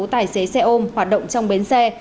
tài xế xe ôm hoạt động trong bến xe